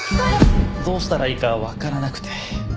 どうしたらいいかわからなくて。